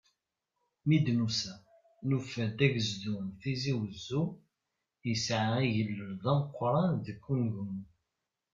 Mi d-nusa, nufa-d agezdu n Tizi Uzzu, yesɛa agellel d ameqqran deg unegmu.